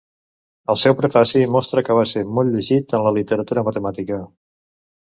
El seu prefaci mostra que va ser molt llegit en la literatura matemàtica.